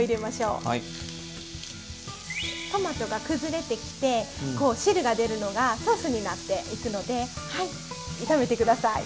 トマトが崩れてきてこう汁が出るのがソースになっていくので炒めて下さい。